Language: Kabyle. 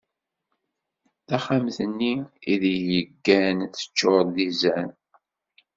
Taxxamt-nni ideg yeggan teččur d izan.